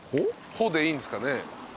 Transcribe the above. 穂でいいんですかね？